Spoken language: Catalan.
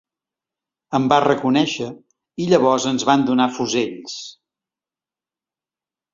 Em va reconèixer, i llavors ens van donar fusells...